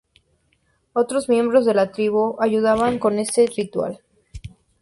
Otros miembros de la tribu ayudaban con este ritual.